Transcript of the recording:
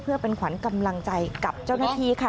เพื่อเป็นขวัญกำลังใจกับเจ้าหน้าที่ค่ะ